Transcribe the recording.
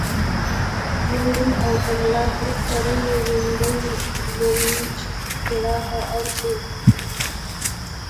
يو ړوند او په ملا کړوپ سړي ړومبی مونږ ژړا ته اړ کړو